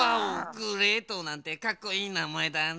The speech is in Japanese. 「グレート」なんてかっこいいなまえだね。